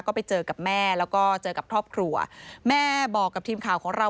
ก็ไปเจอกับแม่แล้วก็เจอกับครอบครัวแม่บอกกับทีมข่าวของเรา